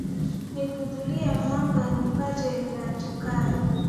Nikundulia muwanga, nipate niyatakayo